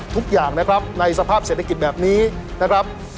ทุกอย่างนะครับในสภาพเศรษฐกิจแบบนี้นะครับ